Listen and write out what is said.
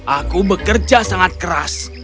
aku bekerja sangat keras